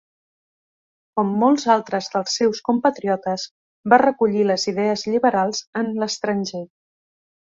Com molts altres dels seus compatriotes, va recollir les idees lliberals en l'estranger.